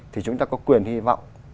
thì chúng ta có quyền hy vọng